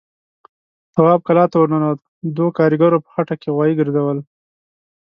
تواب کلا ته ور ننوت، دوو کاريګرو په خټه کې غوايي ګرځول.